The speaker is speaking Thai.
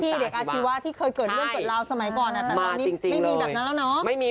เด็กอาชีวะที่เคยเกิดเรื่องเกิดราวสมัยก่อนแต่ตอนนี้ไม่มีแบบนั้นแล้วเนาะ